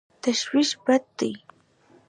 تشویش بد دی.